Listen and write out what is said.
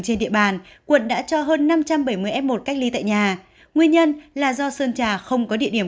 trên địa bàn quận đã cho hơn năm trăm bảy mươi f một cách ly tại nhà nguyên nhân là do sơn trà không có địa điểm